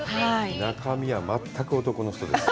中身は全く男の人です。